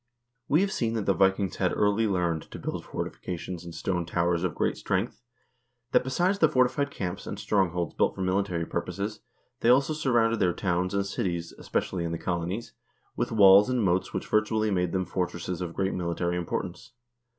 We have seen that the Vikings had early learned to build forti fications and stone towers of great strength, that, besides the forti fied camps, and strongholds built for military purposes, they also surrounded their towns and cities, especially in the colonies, with walls and moats which virtually made them fortresses of great mili tary importance.